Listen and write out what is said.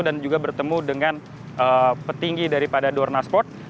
dan juga bertemu dengan petinggi daripada dornasport